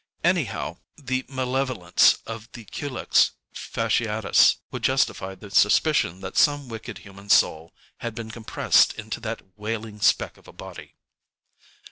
Anyhow the malevolence of the Culex fasciatus would justify the suspicion that some wicked human soul had been compressed into that wailing speck of a body....